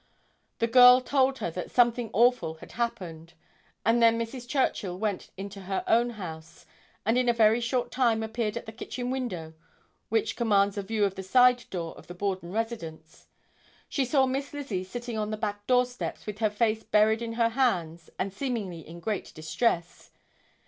The girl told her that "something awful" had happened, and then Mrs. Churchill went into her own house and in a very short time appeared at the kitchen window, which commands a view of the side door of the Borden residence. She saw Miss Lizzie sitting on the back doorsteps, with her face buried in her hands and seemingly in great distress.